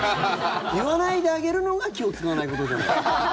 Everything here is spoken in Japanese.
言わないで上げるのが気を使わないことじゃない。